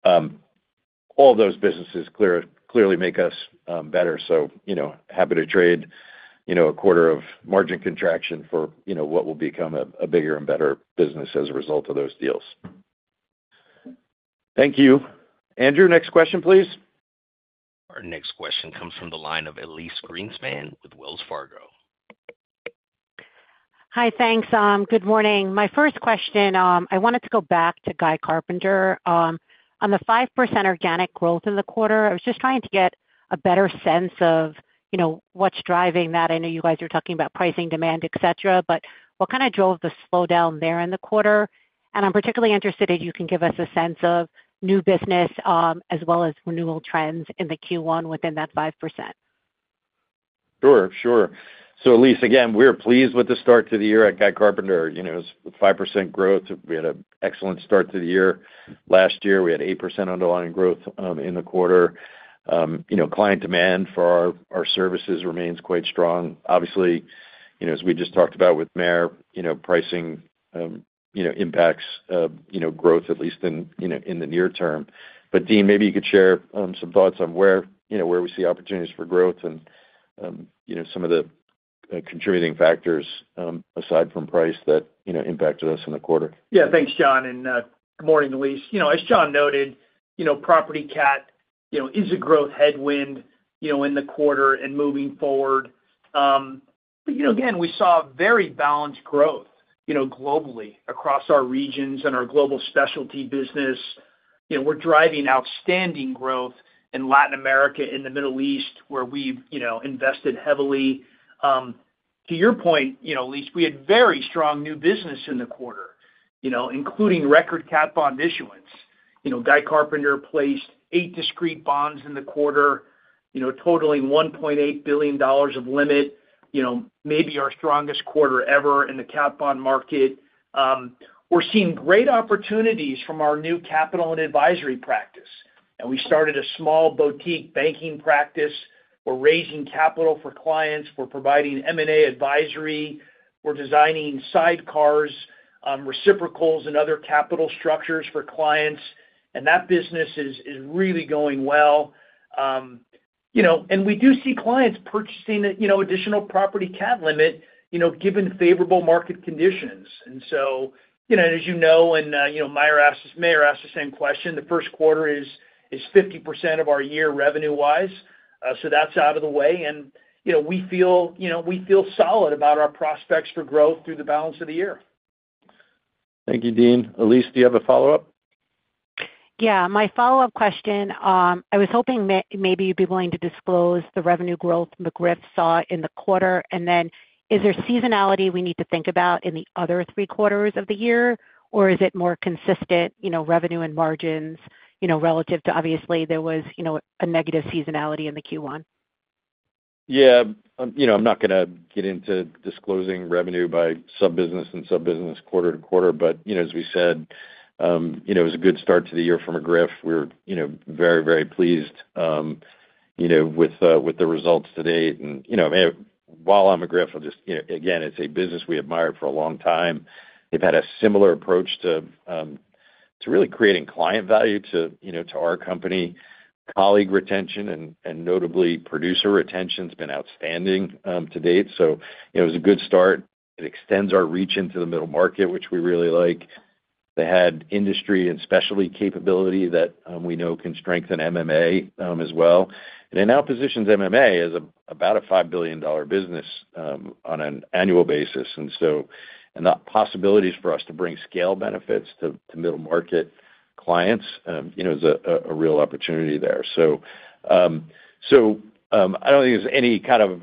All those businesses clearly make us better. Happy to trade a quarter of margin contraction for what will become a bigger and better business as a result of those deals. Thank you. Andrew, next question, please.
Our next question comes from the line of Elyse Greenspan with Wells Fargo.
Hi, thanks. Good morning. My first question, I wanted to go back to Guy Carpenter. On the 5% organic growth in the quarter, I was just trying to get a better sense of what's driving that. I know you guys are talking about pricing, demand, etc., but what kind of drove the slowdown there in the quarter? I'm particularly interested if you can give us a sense of new business as well as renewal trends in the Q1 within that 5%.
Sure. Sure. So Elyse, again, we're pleased with the start to the year at Guy Carpenter. It was 5% growth. We had an excellent start to the year. Last year, we had 8% underlying growth in the quarter. Client demand for our services remains quite strong. Obviously, as we just talked about with Meyer, pricing impacts growth, at least in the near term. Dean, maybe you could share some thoughts on where we see opportunities for growth and some of the contributing factors aside from price that impacted us in the quarter.
Yeah. Thanks, John. And good morning, Elyse. As John noted, Property CAT is a growth headwind in the quarter and moving forward. Again, we saw very balanced growth globally across our regions and our global specialty business. We're driving outstanding growth in Latin America and the Middle East where we've invested heavily. To your point, Elyse, we had very strong new business in the quarter, including record CAT bond issuance. Guy Carpenter placed eight discrete bonds in the quarter, totaling $1.8 billion of limit, maybe our strongest quarter ever in the CAT bond market. We're seeing great opportunities from our new Capital and Advisory practice. We started a small boutique Banking practice. We're raising capital for clients. We're providing M&A advisory. We're designing sidecars, reciprocals, and other capital structures for clients. That business is really going well. We do see clients purchasing additional Property CAT limit given favorable market conditions. As you know, and Meyer asked the same question, the first quarter is 50% of our year revenue-wise. That is out of the way. We feel solid about our prospects for growth through the balance of the year.
Thank you, Dean. Elyse, do you have a follow-up?
Yeah. My follow-up question. I was hoping maybe you'd be willing to disclose the revenue growth McGriff saw in the quarter. Then is there seasonality we need to think about in the other three quarters of the year, or is it more consistent revenue and margins relative to obviously there was a negative seasonality in the Q1?
Yeah. I'm not going to get into disclosing revenue by sub-business and sub-business quarter to quarter. As we said, it was a good start to the year for McGriff. We're very, very pleased with the results to date. While on McGriff, again, it's a business we admired for a long time. They've had a similar approach to really creating client value to our company, colleague retention, and notably producer retention has been outstanding to date. It was a good start. It extends our reach into the middle market, which we really like. They had industry and specialty capability that we know can strengthen M&A as well. It now positions M&A as about a $5 billion business on an annual basis. The possibilities for us to bring scale benefits to middle market clients is a real opportunity there. I do not think there is any kind of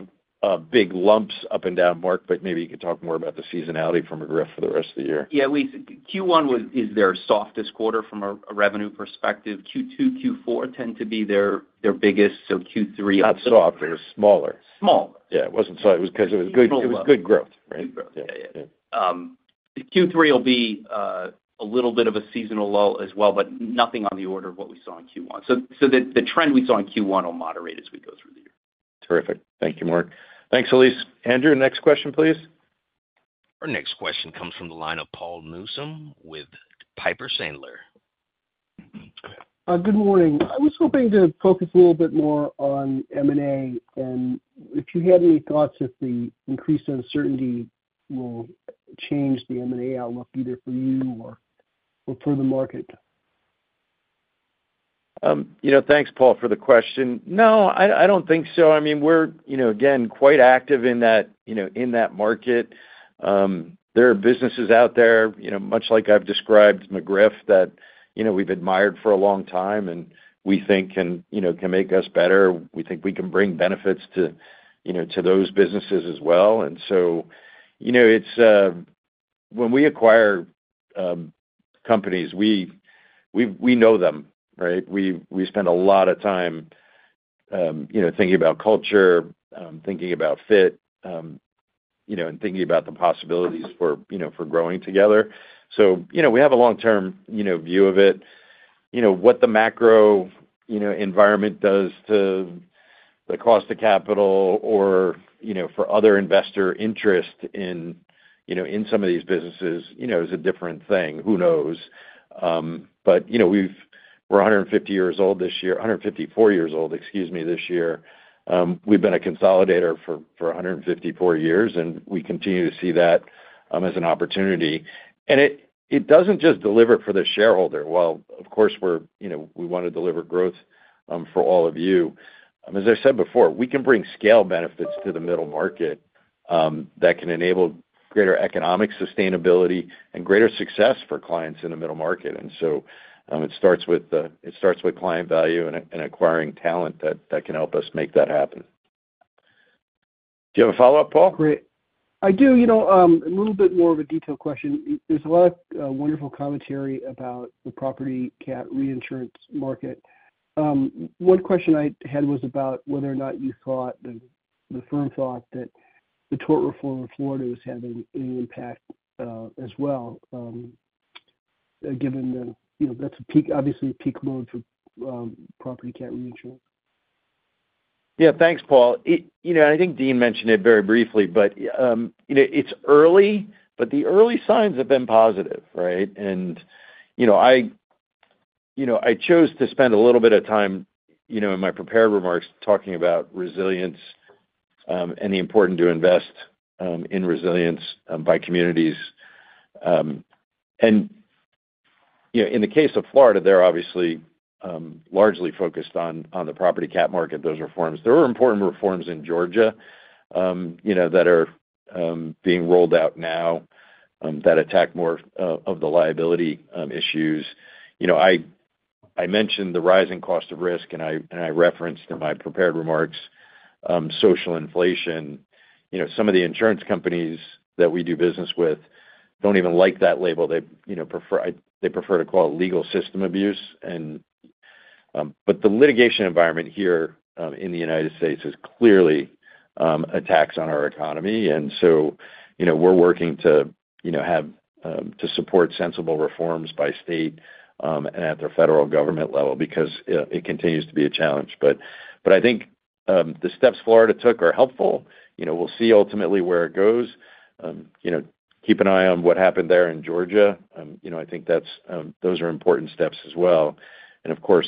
big lumps up and down, Mark, but maybe you could talk more about the seasonality from McGriff for the rest of the year.
Yeah. Elyse, Q1 is their softest quarter from a revenue perspective. Q2, Q4 tend to be their biggest. Q3.
Not soft. It was smaller.
Smaller.
Yeah. It was not soft. It was because it was good growth, right?
Good growth. Yeah. Yeah. Q3 will be a little bit of a seasonal lull as well, but nothing on the order of what we saw in Q1. The trend we saw in Q1 will moderate as we go through the year.
Terrific. Thank you, Mark. Thanks, Elyse. Andrew, next question, please.
Our next question comes from the line of Paul Newsome with Piper Sandler.
Good morning. I was hoping to focus a little bit more on M&A. If you had any thoughts if the increased uncertainty will change the M&A outlook either for you or for the market.
Thanks, Paul, for the question. No, I don't think so. I mean, we're, again, quite active in that market. There are businesses out there, much like I've described McGriff, that we've admired for a long time and we think can make us better. We think we can bring benefits to those businesses as well. When we acquire companies, we know them, right? We spend a lot of time thinking about culture, thinking about fit, and thinking about the possibilities for growing together. We have a long-term view of it. What the macro environment does to the cost of capital or for other investor interest in some of these businesses is a different thing. Who knows? We're 150 years old this year, 154 years old, excuse me, this year. We've been a consolidator for 154 years, and we continue to see that as an opportunity. It does not just deliver for the shareholder. Of course, we want to deliver growth for all of you. As I said before, we can bring scale benefits to the middle market that can enable greater economic sustainability and greater success for clients in the middle market. It starts with client value and acquiring talent that can help us make that happen. Do you have a follow-up, Paul?
Great. I do. A little bit more of a detailed question. There's a lot of wonderful commentary about the Property CAT reinsurance market. One question I had was about whether or not you thought the firm thought that the tort reform in Florida was having any impact as well, given that that's obviously peak mode for Property CAT reinsurance.
Yeah. Thanks, Paul. I think Dean mentioned it very briefly, but it's early, but the early signs have been positive, right? I chose to spend a little bit of time in my prepared remarks talking about resilience and the importance to invest in resilience by communities. In the case of Florida, they're obviously largely focused on the Property CAT market, those reforms. There are important reforms in Georgia that are being rolled out now that attack more of the liability issues. I mentioned the rising cost of risk, and I referenced in my prepared remarks social inflation. Some of the insurance companies that we do business with don't even like that label. They prefer to call it legal system abuse. The litigation environment here in the United States is clearly a tax on our economy. We are working to support sensible reforms by state and at the federal government level because it continues to be a challenge. I think the steps Florida took are helpful. We will see ultimately where it goes. Keep an eye on what happened there in Georgia. I think those are important steps as well. Of course,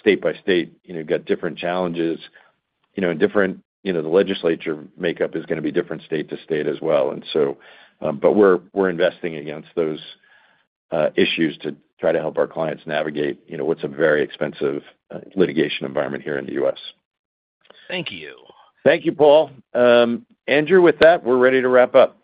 state by state, you have different challenges. The legislature makeup is going to be different state to state as well. We are investing against those issues to try to help our clients navigate what is a very expensive litigation environment here in the U.S.
Thank you.
Thank you, Paul. Andrew, with that, we're ready to wrap up.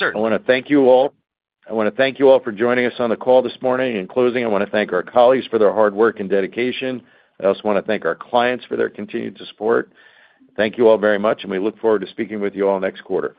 I want to thank you all for joining us on the call this morning. In closing, I want to thank our colleagues for their hard work and dedication. I also want to thank our clients for their continued support. Thank you all very much, and we look forward to speaking with you all next quarter.